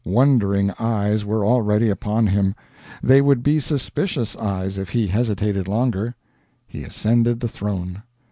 Wondering eyes were already upon him. They would be suspicious eyes if he hesitated longer. He ascended the throne.